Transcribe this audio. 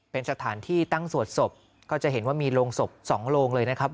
เป็นสถานที่ตั้งสวดศพก็จะเห็นว่ามีโรงศพสองโรงเลยนะครับ